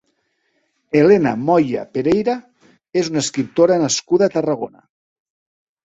Elena Moya Pereira és una escriptora nascuda a Tarragona.